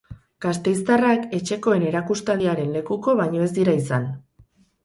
Gasteiztarrak etxekoen erakustaldiaren lekuko baino ez dira izan.